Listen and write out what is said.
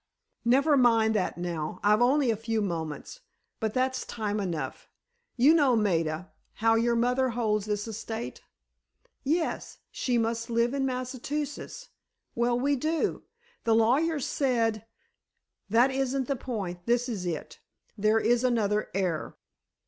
"Never mind that now; I've only a few moments, but that's time enough. You know, Maida, how your mother holds this estate?" "Yes—she must live in Massachusetts. Well, we do. The lawyers said——" "That isn't the point; this is it. There is another heir."